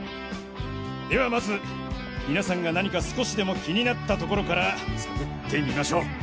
ではまず皆さんが何か少しでも気になった所から探ってみましょう。